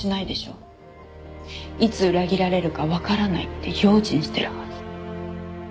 いつ裏切られるかわからないって用心してるはず。